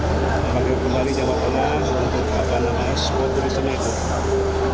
pembangunan kembali jawabannya untuk apa namanya sport turisme itu